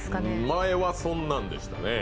前はそんなんでしたね。